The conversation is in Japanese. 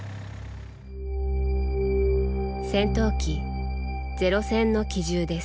戦闘機ゼロ戦の機銃です。